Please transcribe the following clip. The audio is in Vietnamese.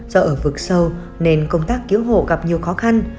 do ở vực sâu nên công tác cứu hộ gặp nhiều khó khăn